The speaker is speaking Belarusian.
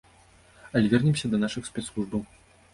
Але вернемся да нашых спецслужбаў.